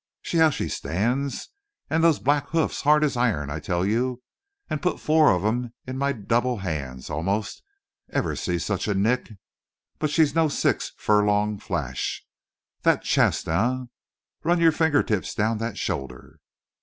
See how she stands! And those black hoofs, hard as iron, I tell you put the four of 'em in my double hands, almost ever see such a nick? But she's no six furlong flash! That chest, eh? Run your finger tips down that shoulder!"